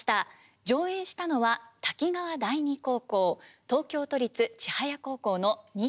上演したのは滝川第二高校東京都立千早高校の２校。